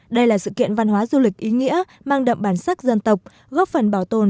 đây là sự kiện văn hóa du lịch ý nghĩa mang đậm bản sắc dân tộc góp phần bảo tồn